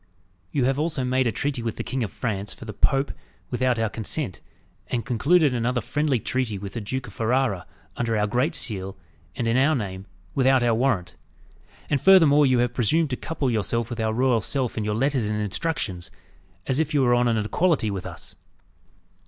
You have also made a treaty with the King of France for the Pope without our consent, and concluded another friendly treaty with the Duke of Ferrara, under our great seal, and in our name, without our warrant. And furthermore you have presumed to couple yourself with our royal self in your letters and instructions, as if you were on an equality with us."